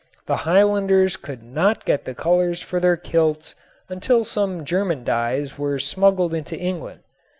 The Highlanders could not get the colors for their kilts until some German dyes were smuggled into England.